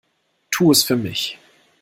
Tu es für mich!